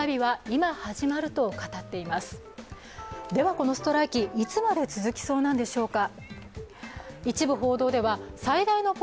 このストライキ、いつまで続きそうなんでしょうか。